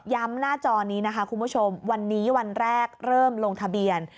หน้าจอนี้นะคะคุณผู้ชมวันนี้วันแรกเริ่มลงทะเบียน